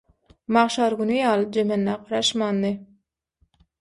Magşar güni ýaly jemendä garaşmandy.